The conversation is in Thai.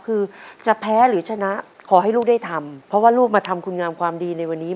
คือจะแพ้หรือชนะขอให้ลูกได้ทำเพราะว่าลูกมาทำคุณงามความดีในวันนี้